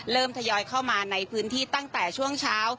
ทยอยเข้ามาในพื้นที่ตั้งแต่ช่วงเช้า